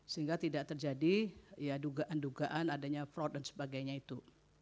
sehingga tidak terjadi dugaan dugaan adanya fraud dan sebagainya itu